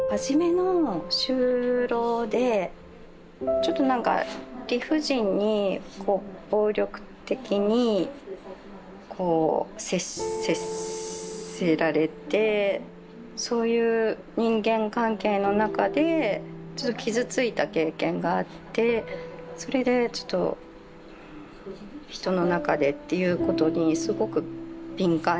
ちょっとなんか理不尽に暴力的にこう接せられてそういう人間関係の中でちょっと傷ついた経験があってそれでちょっと人の中でっていうことにすごく敏感になってましたね。